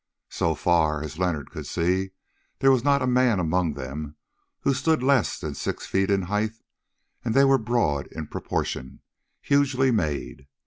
So far as Leonard could see, there was not a man among them who stood less than six feet in height, and they were broad in proportion—hugely made.